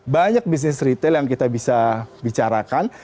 banyak bisnis retail yang kita bisa bicarakan